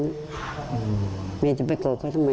คราวนี้จะไปกรอก็ทำไม